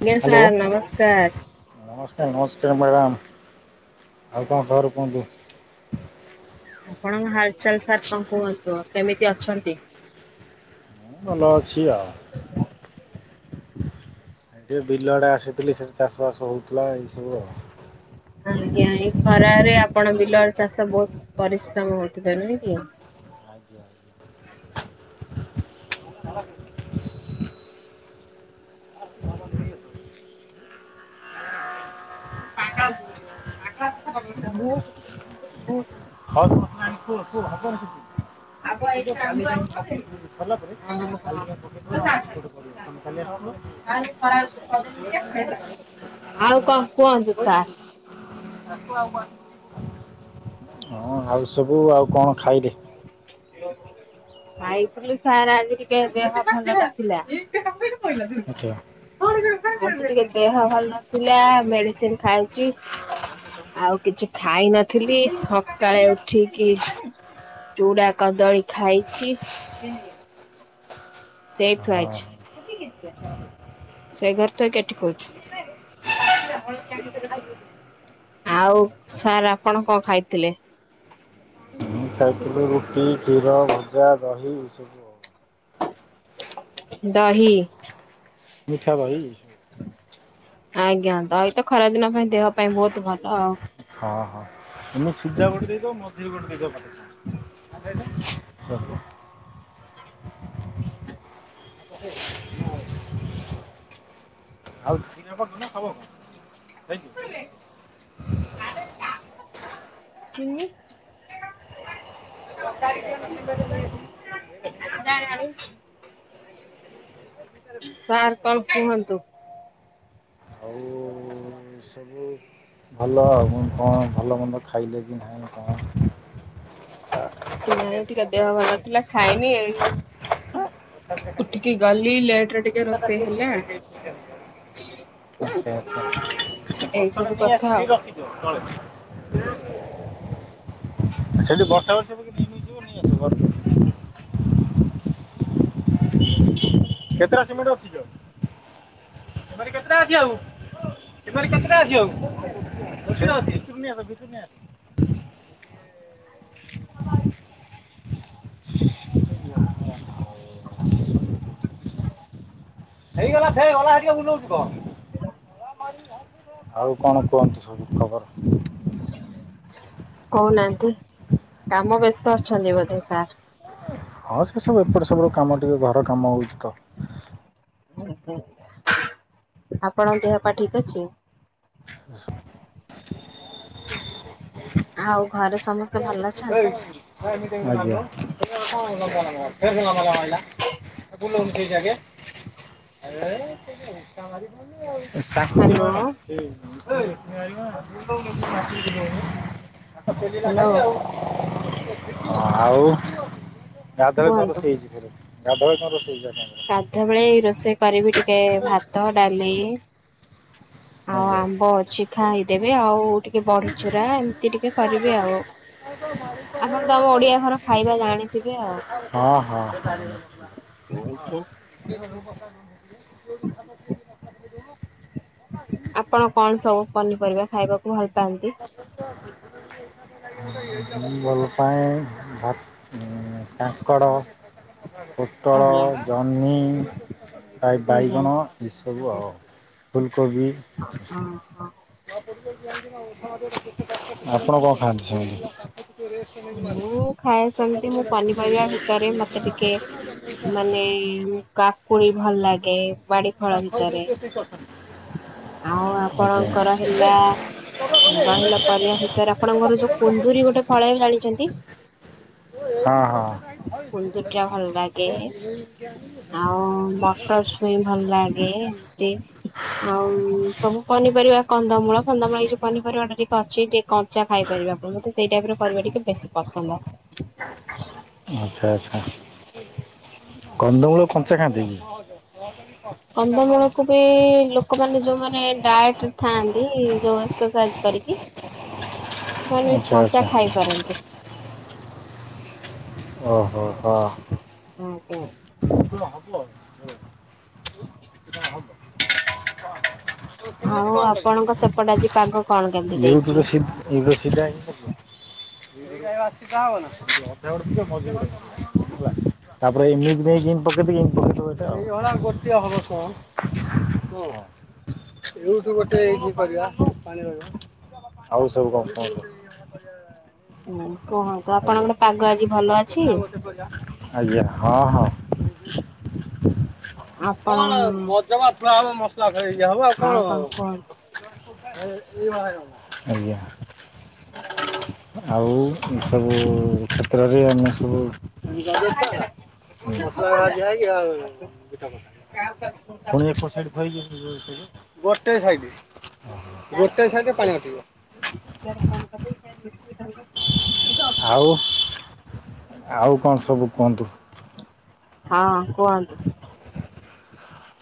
ଆଜ୍ଞା hello sir ନମସ୍କାର। ନମସ୍କାର ନମସ୍କାର ମାଡ଼ାମ ଆଉ କଣ ଖବର କୁହନ୍ତୁ? ଆପଣଙ୍କ ହାଲଚାଲ ସାର୍ କଣ କୁହନ୍ତୁ, କେମିତି ଅଛନ୍ତି? ମୁଁ ଭଲ ଅଛି ଆଉ। ଏ ଟିକିଏ ବିଲଆଡ଼େ ଆସିଥିଲି ସେଠି ଚାଷବାସ ହେଉଥିଲା ଏଇ ସବୁ ଆଉ ଆଜ୍ଞା ଏଇ ଖରାରେ ଆପଣ ବିଲରେ ଚାଷ ବହୁତ ପରିଶ୍ରମ ହଉଥିବ ନୁହେଁ କି? ଆଜ୍ଞା ଆଜ୍ଞା। [inaudible] ପ [inaudible] କାଲି ପାଇକି ପକେଇବ ସରିଲା ପରେ କାଲି ଯ ପକେଇିବ ଆମ ସେପଟେ ପଡିବ। ସ କାଲି ଆସ। ଆଉ କଣ କୁହନ୍ତୁ ସାର୍ । ହଁ ଆଉ ସବୁ ଆଉ କଣ ଖାଇଲେ? ଖାଇଥିଲୁ ସାର୍ ଆଜି ଟିକେ ଦେହ ଭଲ ନଥିଲା। [inaudible] ଦେହ ଆଚ୍ଛା ଭଲ ନଥିଲା ମେଡିସିନ ଖାଇଛି। ଆଉ କିଛି ଖାଇ ନଥିଲି ସକାଳେ ଉଠିକି ଚୁଡା କଦଳୀ ଖାଇଛି। ସେଇଠି ଥୁଆ ହଁ। ହେଇଚି। ସେ ଘରେ ତ କେଠି କହୁଛ? ଆଉ ସାର୍ ଆପଣ କଣ ଖାଇଥିଲେ? ଖାଇଥିଲୁ ରୁଟି, କ୍ଷୀର, ଭଜା, ଦହି ଏସବୁ ଆଉ। ଦହି। ମିଠାଦହି। ଆଜ୍ଞା ତ ଏଇତ ଖରାଦିନ ପାଇଁ ଦେହ ପାଇଁ ବହୁତ ଭଲ ଆଉ। ହଁ ହଁ ତମେ ସିଧା ଗୋଟେ ଦେଇଦ ମଝି ବି ଗୋଟେ ଦେଇଦ ଭ [inaudible] ଚାଲୁ। ନ [inaudible] ଆଉ ଦିନପ ଧୁନ ଖବ ଆଣ ଥଙ୍କୟୁ। ଚିନି ଦରିଆଣି [inaudible] ସାର୍ କଣ କୁହନ୍ତୁ? ଆଉ ସବୁ ଭଲ ଆଉ କଣ ଭଲ ମନ୍ଦ ଖାଇଲେ କି ନାଁହିଁ କଣ? ନାଇଁ ଟିକେ ଦେହ ଭଲ ନଥିଲା ଖାଇନି [inaudible] ଉଠିକି ଗଲି ଲେଟରେ ଟିକେ ରୋଷେଇ ହେଲା। ଆଚ୍ଛା ଆଚ୍ଛା ଏଇ ବସ୍ତାଟା ସବୁ ନେଇ କଥା ଆସି ଆଉ। ସେଇ ରଖିଦିଅ ତଳେ। ସେଠି ବର୍ଷା ବର୍ଷାିକ ନେଇଯିବ ନେଇ ଆସିବ। କେତେଟା ସିମେଣ୍ଟ ଅଛି କି ଆଉ। ତମର କେତେଟା ଅଛି ଆଉ। ଏପଟେ କେତେଟା ଅଛି ଆଉ ଅସିଟା ଅଛି ଭିତରକୁ ନେଇ ଆସ। ହେଇଗଲା ସେ ଗଲା [inaudible] ବୁଲଉଛିୁ କହ। ଆଉ କଣ କୁହନ୍ତୁ ସବୁ ଖବର। କହୁନାହାନ୍ତି କାମ ବ୍ୟସ୍ତ ଅଛନ୍ତି ବୋଧେ ସାର୍। ହଁ ସେ ସବୁ ଏପଟେ ସେପଟ କାମ ଟିକେ ଘର କାମ ହଉଛି ତ ଆପଣଙ୍କ ଦେହପା ଠିକ ଅଛି? ଆସ ଆଉ ଘରେ ସମସ୍ତେ--? [unintelligible] ଭଲ ଅଛନ୍ତି? ବୁଲଉନ୍ ସେ ଜାଗେ [unintelligible] ତାକୁବି ହ୍ୟାଲୋ ମାର [unintelligible] ଆତ ପେଲିଲା ଖାଲି ହ୍ୟାଲୋ ଆଉ ଆଉ ଗାଧୁଆବେଳେ କଣ ରୋଷେଇ ହେଇଛି ଘରେ ଗାଧୁଆବେଳେ ରୋଷେଇ ହେଇଛି ? ଗାଧୁଆ ବେଳେ ରୋଷେଇ କରିବି ଟିକେ ଭାତ, ଏଇ, ଡାଲି ଖାଇବା [inaudible] ଆଉ ଆମ୍ବ ଅଛି ଖାଇଦେବି ଆଉ ଟିକେ ବଡିଚୁରା ଏମିତି ଟିକେ କରିବି ଆଉ ଆପଣ ତ ଆମ ହଁ ଓଡିଆ ଘର ଖାଇବା ହଁ ଜାଣିଥିବେ ଆଉ। ହ [unintelligible] ହଁ ର [unintelligible] ଆପଣ କଣସବୁ ପନିପରିବା ଖାଇବାକୁ ଭଲ---? ପାଆନ୍ତି? [inaudible] ମୁଁ ଭଲପାଏ ଭା, କାଙ୍କଡ଼ ଫୁଟଳ, ଆଜ୍ଞା ଜହନି ପ୍ରାୟ ଆଜ୍ଞା ବାଇଗଣ ଏସବୁ ଆଉ ଫୁଲକୋବି ଓହୋ। ଆପଣ କଣ ଖାଆନ୍ତି ସେମତି? ଟିକେ ରେଷ୍ଟ ନେଇକି ମାରୁଛି ମୁଁ ଖାଏ ଆଉ ସେମିତି ମୁଁ ପନିପରିବା ଭିତରେ ମତେ ଟିକେ ମାନେ [unintelligible] କାକୁଡି ଭଲ ଲାଗେ ବାଡିଫଳ ଭିତରେ ଆଉ ଆଜ୍ଞା। ଆପଣଙ୍କର ହେଲା- ରହିଲା ପରିବା ଭିତରେ ଆପଣଙ୍କର ଯୋଉ କୁନ୍ଦୁୁରୀ, ଗୋଟେ ଫଳେ ଜାଣି କେତି [unintelligible] ହଁ ହଁ କୁନ୍ଦୁରି ଟା ଭଲ ଲାଗେ, ଆଉ ମଟର ଛୁଇଁ ଭଲ ଲାଗେ। [unintelligible] ଆଉ ସବୁ ପନିପରିବା କନ୍ଦମୂଳ, ଫନ୍ଦମୂଳ ଏଇ ଯୋଉ ପନିପରିବା ଟା ଟିକେ ଅଛି, ଟିକେ କଞ୍ଚା ଖାଇପାର। ମତେ ସେଇ ଟାଇପ କରିବା ଟିକେ ବେଶୀ ପସନ୍ଦ ଆସେ। ଆଚ୍ଛା-ଆଚ୍ଛା। କନ୍ଦମୂଳ କଞ୍ଚା ଖାନ୍ତି କି? କନ୍ଦମୂଳକୁ ବି ଲୋ ଲୋକମାନେ, ଯୋଉମାନେ ଡାଏଟ ଥାନ୍ତି, ଯୋଉ ଏକ୍ସରସାଇଜ କରିକି ସେମାନେ ବି ଆଚ୍ଛା କଞ୍ଚା ଆଚ୍ଛା ଖାଇପାରନ୍ତିେ। ଓ! ହୋ-ହୋ। ଆଜ୍ଞା [unintelligible] ଆଉ ଆପଣଙ୍କ ସେପଟେ ଆଜି [unintelligible] ପାଗ କଣ କେମିତି ଦେଇଛି? [inaudible] [unintelligible] [unintelligible] ଏଉଠୁ ଗୋଟେଇ କି କରିବା, ପାଣି ରହିବା। ଆଉ ସବୁ କଣ? କ-କ। ହୁ କୁହନ୍ତୁ ଆପଣଙ୍କର ପାଗ ଆଜି ଭଲ ଅଛି? ଏକା ଗୋଟେ କରିବା ଆଜ୍ଞା! ହଁ-ହଁ। ଆପଣ କଣ ଗଜମା ଥୁଆ ହବ, ମସଲା ଖଇ ହବ ଆଉ କଣ। [unintelligible] ଆଜ୍ଞା! ଆଉ ଏ ସବୁ [unintelligible] [unintelligible] [unintelligible] ଗୋଟେ ସାଇଡରେ ପାଣି ଅଟିବ। [unintelligible] ଆଉ ଆଉ କଣ ସବୁ କୁହନ୍ତୁ? ହଁ କୁହନ୍ତୁ। [inaudible]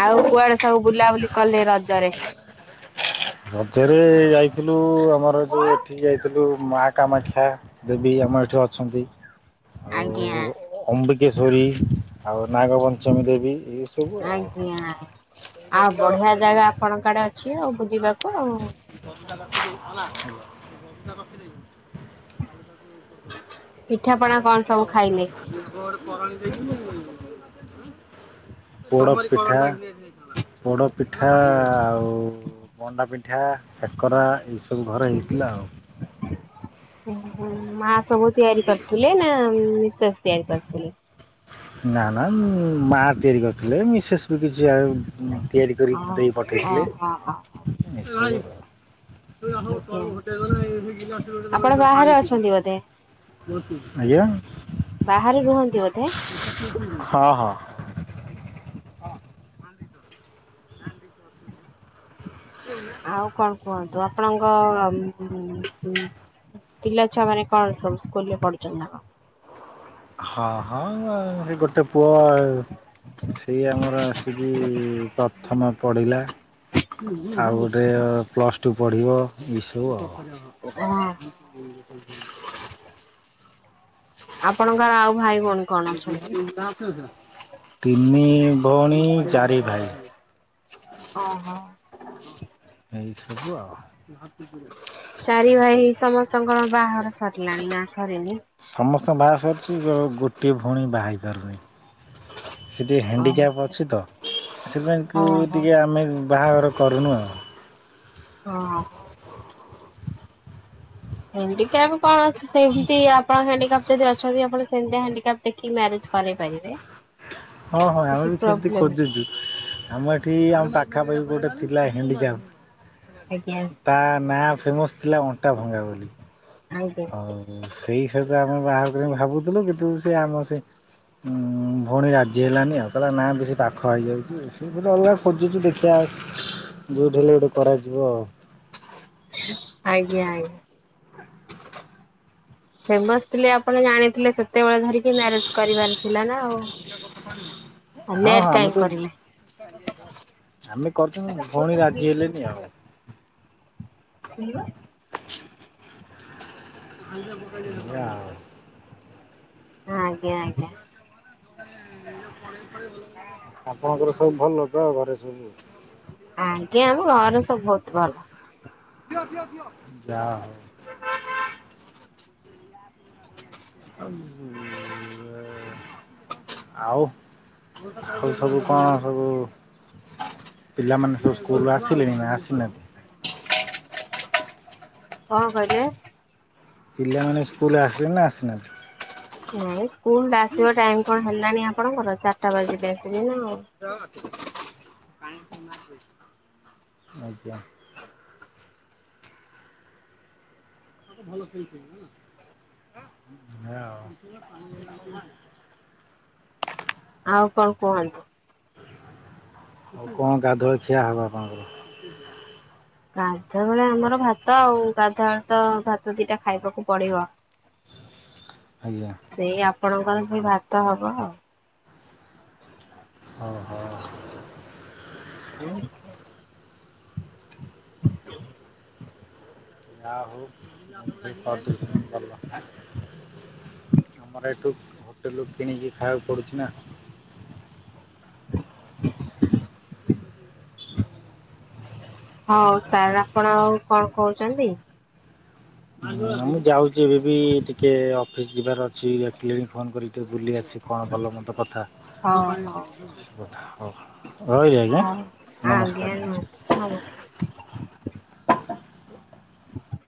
ଆଉ କୁଆଡେ ସବୁ ବୁଲାବୁଲି କଲେ ରଜରେ? ମଝରେ ଯାଇଥିଲୁ, ଆମର ଯୋଉ ଏଠିକି ଯାଇଥିଲୁ, ମା କାମାକ୍ଷା। ଦେବୀ ଆମର ଏଠି ଅଛନ୍ତି, ଆଉ ଆଜ୍ଞା ଅମ୍ବିକ୍ କେଶରୀ, ଆଉ ନାଗପଞ୍ଚମୀ ଦେବୀ। ସବୁ ଆଉ। ଆଜ୍ଞା। ଆଉ ବଢିଆ ରଖିଦେବି ଜାଗା ଆପଣଙ୍କ ଆଡେ ଅଛି ଆଉ, ବୁଲିବାକୁ ଆଉ। [unintelligible] [inaudible] ପିଠାପଣା କଣ ସବୁ ଖାଇଲେ? [unintelligible] [unintelligible] ପୋଡ ପିଠା। ପୋଡ଼ପିଠା ଆଉ ମଣ୍ଡାପିଠା, କାକରା ଏଇସବୁ ଘରେ ହେଇଥିଲା, ଆଉ। ମା ସବୁ ତିଆରି କରିଥିଲେ, ନା ମିସେସ ତିଆରି କରିଥିଲେ। ନା-ନା ମା ତିଆରି କରିଥିଲେ, ମିସେସ୍ ବି କିଛି। ତିଆରି କରି ହଁ ଦେଇ ପଠେଇଥିଲେ। ଓହୋ ଆଜ୍ଞା। ଆପଣ ବାହାରେ ଅଛନ୍ତି ବୋଧେ [unintelligible] ଆଜ୍ଞା। ବାହାରେ ରୁହନ୍ତି ବୋଧେ? ହଁ ହଁ। ଆଉ କଣ କୁହନ୍ତୁ। ଆପଣଙ୍କ ପିଲା ଛୁଆମାନେ, କଣ ସବୁ ସ୍କୁଲ ରେ ପଢୁଛନ୍ତି ନା? ହଁ-ହଁ ସେ ଗୋଟେ ପୁଅ। ସେଇ ଆମର ଆସିକି ପ୍ରଥମ ପଢ଼ିଲା । ଆଉ ଗୋଟେ ପ୍ଲସ ଟୁ ପଢିବ ଏଇ ସବୁ ଆଉ ହଁ। ଆପଣଙ୍କର ଆଉ ଭାଇ କଣ ଅଛନ୍ତି? ତିନି ଭଉଣୀ ଚାରି ଭାଇ। ଓ ହୋ। [inaudible] [unintelligible] ଚାରି ଭାଇ ସମସ୍ତଙ୍କ କଣ ବାହଘର ସରିଲାଣି ନା ସରିନି? ହଁ ବାହାଘର ସରିଛି ଗୋଟିଏ ଭଉଣୀ ବାହା ହେଇ ପାରୁନି। ସେ ଟିକେ ଓହୋ ହ୍ୟାଣ୍ଡିକ୍ୟାପ୍ ଅଛି ତ ସେ ପାଇଁ ଓହୋ। ଟିକେ ଆମେ। ବାହାଘର କରୁନୁ ଆଉ। ହଁ। ହ୍ୟାଣ୍ଡିକାପ କଣ ଅଛି ସେମତି ଆପଣ ହାଣ୍ଡିକାପ୍ ଯଦି ଅଛନ୍ତି ଆପଣ ସେ ସେମତି ହ୍ୟଣ୍ଡିକାପ ଦେଖି ମ୍ୟାରେଜ କରେଇ ପାରିବେ। ହଁ ହଁ ଆମେ କିଛି ବି ସେମିତି ପ୍ରୋବ୍ଲେମ୍ ଖୋଜୁଛୁ ଆମ ଏଠି ଆମ ପା ପାଖାପାଖି ଗୋଟେ ଥିଲା ହ୍ୟାଣ୍ଡିକାପ୍ ଆଜ୍ଞା [inaudible] ତା ନା ଫେମସ୍ ଥିଲା ଅଣ୍ଟା ଭଙ୍ଗା ବୋଲି। ଆଜ୍ଞା ହଉ ସେଇ ସହିତ ଆମେ ବାହାର କରି ଭାବୁଥିଲୁ କିନ୍ତୁ ସେ ଆମ ସେ ଉଁ ଭଉଣୀ ରାଜି ହେଲାନି ଆଉ ତା ନା ବେଶୀ ପାଖ ହେଇଯାଉଛି ସେ ଅଲଗା ଖୋଜୁଛି ଦେଖ ଯଉଠି ହେଲେ ଗୋଟେ କରାଯିବ ଆଉ। ଆଜ୍ଞା ଆଜ୍ଞା। ଫେମସ ଥିଲେ ଆପଣ ଜାଣିଥିଲେ ସେତେବେଳେ ଧରିକି ମ୍ୟାରେଜ କରିବାର ଥିଲା ନା ଆଉ। ହଁ ଲେଟ୍ ହଁ ଆମେ କାହିଁ ତ କରିଲେ [inaudible] ଆମେ କରଛୁ ଭଉଣୀ ରାଜି ହେଲେନି ଆଉ। [unintelligible] [unintelligible] ଆଜ୍ଞା ଆଜ୍ଞା। ଆପଣଙ୍କର ସବୁ ଭଲ ତ ଘରେ ସବୁ? ଆଜ୍ଞା ଆମ ଘରେ ସବୁ ବହୁତ ଭଲ। ଯା ହଉ। [unintelligible] ଆଉ ଆଉ ସବୁ କଣ ସବୁ ପିଲାମାନେ ସବୁ ସ୍କୁଲୁ ଆସିଲେଣି ନା ଆସିନାନ୍ତି? କଣ କହିଲେ? ପିଲାମାନେ ସ୍କୁଲରୁ ଆସିଲେନି ନା ଆସିନାନ୍ତି? ନାଇଁ ସ୍କୁଲ ଆସିବା ଟାଇମ କଣ ହେଲାଣିି ଆପଣଙ୍କର ଚାରିଟା ବାଜିଲେ ଆସିବ ନା ଆଉ। ଆସିନାହାନ୍ତି ଆଜ୍ଞା। [unintelligible] ଏୟା ଆଉ। ଆଉ କଣ କୁହନ୍ତୁ। ଆଉ କଣ ଗାଧୁଆ ଖିଆ ହବ ଆପଣଙ୍କର? ଗାଧୁଆ ବେଳେ ଆମର ଭାତ ଆଉ, ଗାଧୁଆବେଳେ ତ ଭାତ ଦିଟା ଖାଇବାକୁ ପଡିବ। [inaudible] ଆଜ୍ଞା ସେଇ ଆପଣଙ୍କର ବି ଭାତ ହବ ଆଉ। ହଁ ହ। [unintelligible] ଯା ହଉ ଏମତି କରିଦେଇଛନ୍ତି ଭଲ। ଆମର ଏଠୁ ହୋଟେଲରୁ କିଣିକି ଖାଇବାକୁ ପଡୁଛି ନା। [inaudible] ହଉ ସାର୍ ଆପଣ ଆଉ କଣ କହୁଛନ୍ତି? ମୁଁ ଯାଉଛି ଏବେ ବି ଟିକେ ଅଫିସ ଯିବାର ଅଛି ଡାକିଲେଣି ଫୋନ କରିକି ବୁଲି ଆସି କଣ ଭଲ ମନ୍ଦ କଥା ହଉ ସବୁ କଥା ହଉ ରହିଲି ଆଜ୍ଞା ହୋଉ ନମସ୍କାର ଆଜ୍ଞା ନମସ୍କାର। ରହୁଛି ନମସ୍କାର। [inaudible]